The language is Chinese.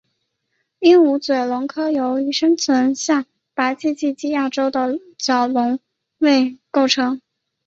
鹦鹉嘴龙科由生存于下白垩纪亚洲的基础角龙类构成。